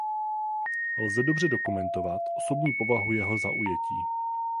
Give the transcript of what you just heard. Lze dobře dokumentovat osobní povahu jeho zaujetí.